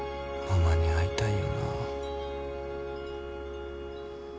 ママに会いたいよな。